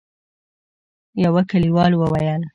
يوه کليوال وويل: